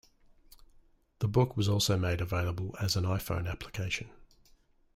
The book was also made available as an iPhone application.